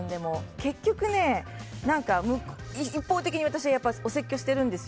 結局、一方的に私がお説教してるんですよ。